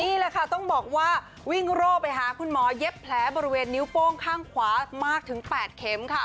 นี่แหละค่ะต้องบอกว่าวิ่งโร่ไปหาคุณหมอเย็บแผลบริเวณนิ้วโป้งข้างขวามากถึง๘เข็มค่ะ